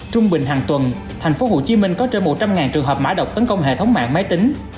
trung bình hàng tuần thành phố hồ chí minh có trên một trăm linh trường hợp mã đọc tấn công hệ thống mạng máy tính